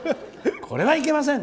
「これはいけません！